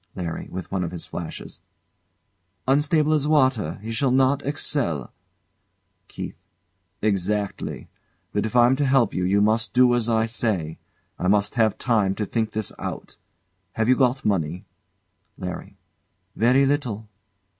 LARRY. [With one of his flashes] "Unstable as water, he shall not excel!" KEITH. Exactly. But if I'm to help you, you must do as I say. I must have time to think this out. Have you got money? LARRY. Very little.